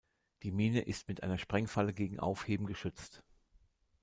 Die Mine ist mit einer Sprengfalle gegen Aufheben geschützt.